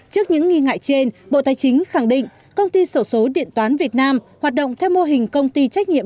trước những nghi ngại trên bộ tài chính khẳng định công ty sổ số điện toán việt nam hoạt động theo mô hình công ty trách nhiệm